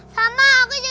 sama aku jadi capek